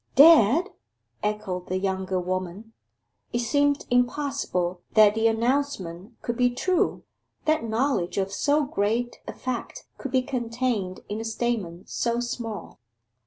'Dead!' echoed the younger woman. It seemed impossible that the announcement could be true; that knowledge of so great a fact could be contained in a statement so small.